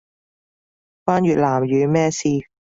關越南語咩事